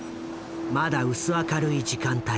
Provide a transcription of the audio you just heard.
まだ薄明るい時間帯。